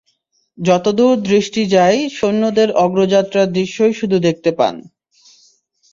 যতদূর দৃষ্টি যায় সৈন্যদের অগ্রযাত্রার দৃশ্যই শুধু দেখতে পান।